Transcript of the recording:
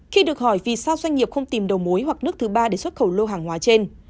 khi được hỏi vì sao doanh nghiệp không tìm đầu mối hoặc nước thứ ba để xuất khẩu lô hàng hóa trên